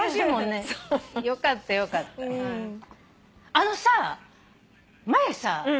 あのさ前さ